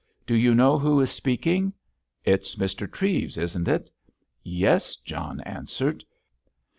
"Do you know who is speaking?" "It's Mr. Treves, isn't it?" "Yes," John answered.